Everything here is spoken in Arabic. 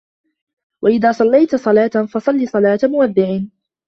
وَإِذَا صَلَّيْت صَلَاةً فَصَلِّ صَلَاةَ مُوَدِّعٍ